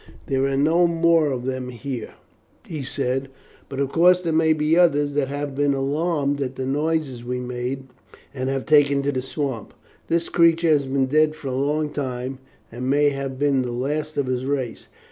"There are no more of them here," he said, "but of course there may be others that have been alarmed at the noises we made and have taken to the swamps. This creature has been dead for a long time, and may have been the last of his race.